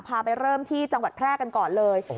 พาไปเริ่มที่จังหวัดแพร่กันก่อนเลย